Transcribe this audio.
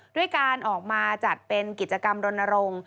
ด้วยการออกมาจัดเป็นกิจกรรมรณรงค์